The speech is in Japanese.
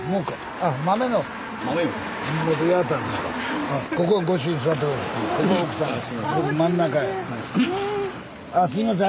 あすいません。